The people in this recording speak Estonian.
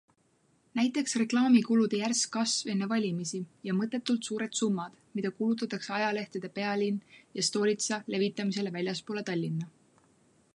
Näiteks reklaamikulude järsk kasv enne valimisi ja mõttetult suured summad, mida kulutatakse ajalehtede Pealinn ja Stolitsa levitamisele väljaspoole Tallinna.